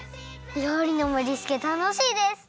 りょうりのもりつけたのしいです！